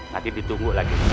nanti ditunggu lagi